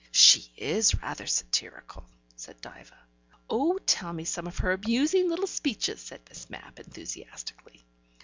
"She is rather satirical," said Diva. "Oh, tell me some of her amusing little speeches!" said Miss Mapp enthusiastically.